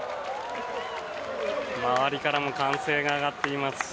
周りからも歓声が上がっています。